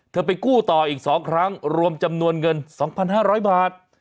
ไปกู้ต่ออีก๒ครั้งรวมจำนวนเงิน๒๕๐๐บาท